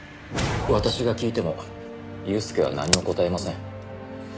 私が聞いても祐介は何も答えません。